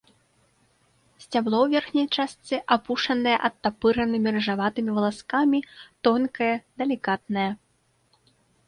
Сцябло ў верхняй частцы апушанае адтапыранымі рыжаватымі валаскамі, тонкае, далікатнае.